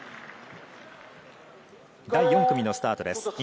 第４組のスタートです。